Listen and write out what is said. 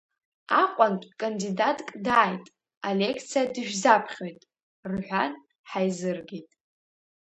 Аҟәантә кандидатк дааит, алекциа дышәзаԥхьоит, — рҳәан, ҳаизыргеит.